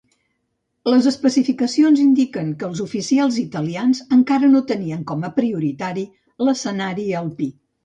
Les especificacions indiquen que els oficials italians encara tenien com a prioritat l'escenari alpí.